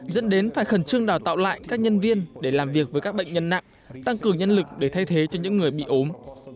dẫn đến phải khẩn trương đào tạo lại các nhân viên để làm việc với các bệnh nhân nặng tăng cường nhân lực để thay thế cho những người bị ốm